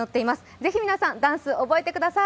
ぜひ皆さん、ダンス覚えてください。